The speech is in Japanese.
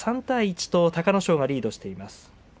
３対１と隆の勝リードしています。